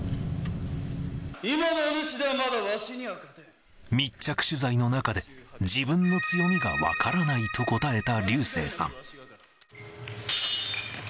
今のおぬしでは、密着取材の中で、自分の強みが分からないと答えた流星さん。